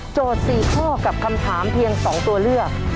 ๔ข้อกับคำถามเพียง๒ตัวเลือก